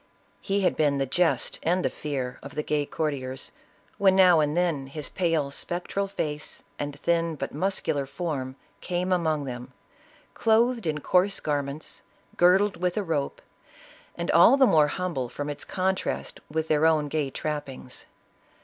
He had been the jest and the fear of the gay courtiers, when now and then his pale spectral face, and thin but muscular form, came among them, clothed in coarse garments, girdled with a rope, and all the more hum ble from its contrast with their own gay trappings.